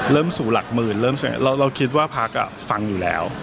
สู่หลักหมื่นเริ่มเราคิดว่าพักฟังอยู่แล้ว